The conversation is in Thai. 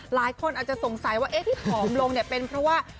หลายคนอาจจะสงสัยว่าเอ๊ะที่ผอมลงเนี่ยเป็นเพราะว่า